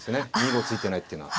２五突いてないっていうのは。